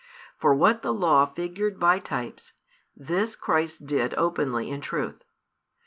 For what the Law figured by types, this Christ did openly in truth.